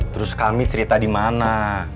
terus kami cerita dimana